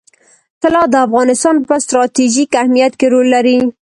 طلا د افغانستان په ستراتیژیک اهمیت کې رول لري.